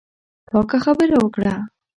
پاکه خبره وکړه.